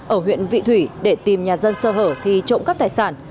ở huyện vị thủy để tìm nhà dân sơ hở thì trộm cắp tài sản